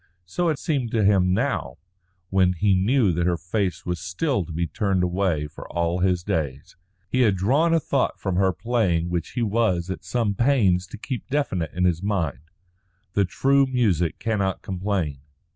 So it seemed to him now when he knew that her face was still to be turned away for all his days. He had drawn a thought from her playing which he was at some pains to keep definite in his mind. The true music cannot complain.